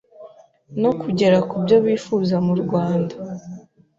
no kugera ku byo bifuza mu Rwanda.